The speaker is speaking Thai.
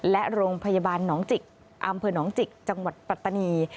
และโรงพยาบาลหนองจิกอำเภอหนองจิกจังหวัดปัตตานี